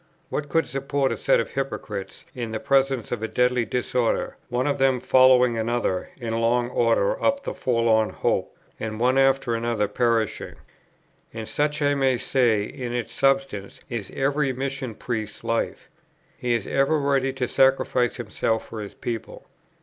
What could support a set of hypocrites in the presence of a deadly disorder, one of them following another in long order up the forlorn hope, and one after another perishing? And such, I may say, in its substance, is every Mission Priest's life. He is ever ready to sacrifice himself for his people.